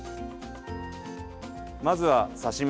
まずは刺身。